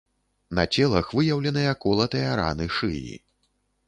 На целах выяўленыя колатыя раны шыі.